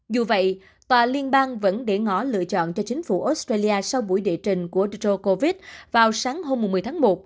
dù vậy tòa liên bang vẫn để ngỏ lựa chọn cho chính phủ australia sau buổi địa trình của dro covid vào sáng hôm một mươi tháng một